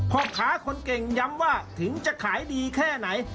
พ่อค้าคนเก่งย้ำว่าถึงจะขายดีแค่ไหน